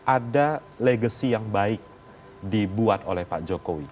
ada legacy yang baik dibuat oleh pak jokowi